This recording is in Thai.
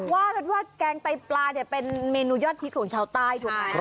ว่าแกงไต้ปลาเนี่ยเป็นเมนูยอดทิศของชาวใต้